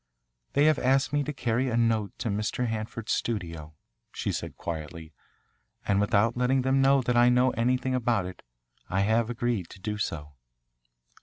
"They have asked me to carry a note to Mr. Hanford's studio," she said quietly, "and without letting them know that I know anything about it I have agreed to do so."